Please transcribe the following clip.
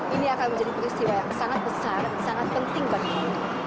ini akan menjadi peristiwa yang sangat besar sangat penting bagi kita